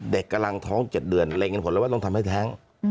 เด็กกำลังท้อง๗เดือนเร็งเห็นผลแล้วว่าต้องทำให้แท้ง